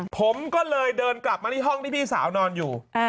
ผมก็เลยเดินกลับมาที่ห้องที่พี่สาวนอนอยู่